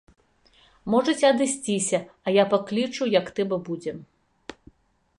Можаце адысціся, а я паклічу, як трэба будзе.